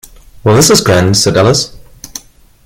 ‘Well, this is grand!’ said Alice.